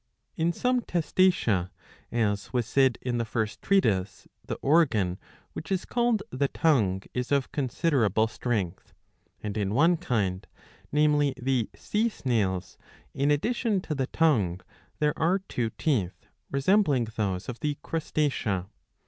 678b. 7 98 •. iv, 5. In some Testacea, as was said in the ^ first treatise, the organ which is called the tongue is of considerable strength ; and In one kind, namely the Sea snails, in addition to the tongue there are two teeth,'" resembling those of the Crustacea.